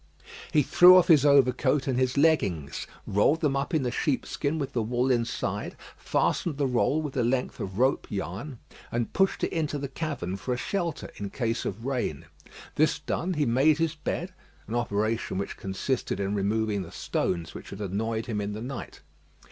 He threw off his overcoat and his leggings; rolled them up in the sheepskin with the wool inside, fastened the roll with a length of rope yarn, and pushed it into the cavern for a shelter in case of rain. This done, he made his bed an operation which consisted in removing the stones which had annoyed him in the night.